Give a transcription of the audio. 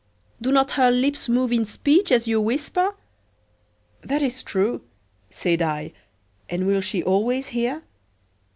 Do not her lips move in speech as you whisper?" "That is true," said I. "And will she always hear?"